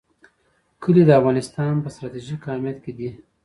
کلي د افغانستان په ستراتیژیک اهمیت کې دي.